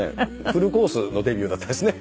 フルコースのデビューだったですね。